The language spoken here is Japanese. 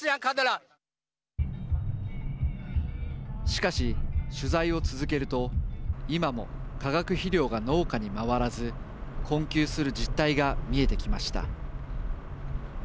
しかし、取材を続けると今も化学肥料が農家に回らず困窮する実態が見えてきました。